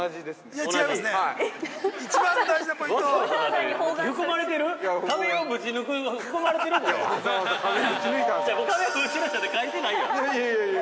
◆いやいや、いやいや。